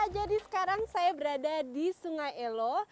jadi sekarang saya berada di sungai elo